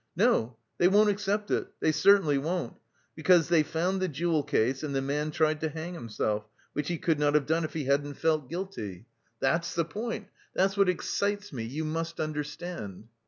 No, they won't accept it, they certainly won't, because they found the jewel case and the man tried to hang himself, 'which he could not have done if he hadn't felt guilty.' That's the point, that's what excites me, you must understand!"